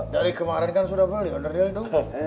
dari kemarin kan sudah beli on the deal itu